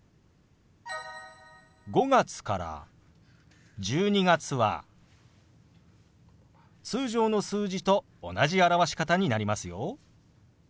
５月から１２月は通常の数字と同じ表し方になりますよ。